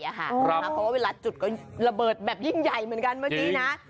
เพราะว่าเวลาจุดก็ระเบิดแบบยิ่งใหญ่เหมือนกันเมื่อกี้นะ